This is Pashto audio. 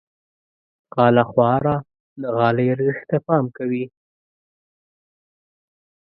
غاله خواره د غالۍ ارزښت ته پام کوي.